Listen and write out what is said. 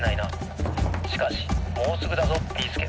しかしもうすぐだぞビーすけ」。